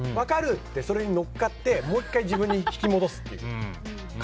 って、それに乗っかってもう１回自分に引き戻すっていう。